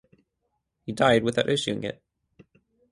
He died without issuing it.